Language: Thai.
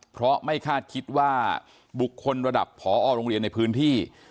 เพราะไม่คาดคิดว่าบุคคลระดับผอโรงเรียนในพื้นที่